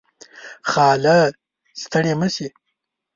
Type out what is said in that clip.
خاله . ستړې مشې